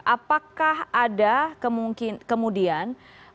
apakah ada kemudian